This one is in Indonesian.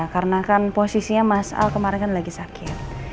karena kan posisinya mas al kemarin kan lagi sakit